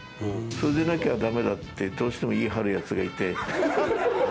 それでなんかダメだってどうしても言い張るヤツがいて。